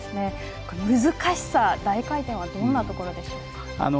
難しさ、大回転はどんなところでしょうか。